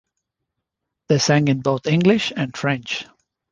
They sang in both English and French.